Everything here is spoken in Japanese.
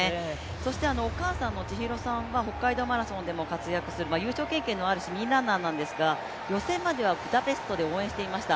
そしてお母さんの千洋さんは北海道マラソンでも活躍する優勝経験のある市民ランナーなんですけれども、予選まではブダペストで応援していました、